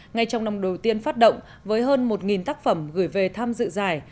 ngay trong năm đầu tiên phát động với hơn một tác phẩm gửi về tham dự giải